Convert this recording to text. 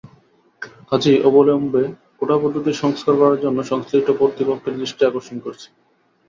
কাজেই অবিলম্বে কোটাপদ্ধতির সংস্কার করার জন্য সংশ্লিষ্ট কর্তৃপক্ষের দৃষ্টি আকর্ষণ করছি।